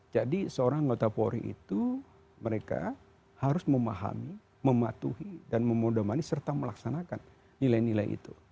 jadi seorang anggota polri itu mereka harus memahami mematuhi dan memodomani serta melaksanakan nilai nilai itu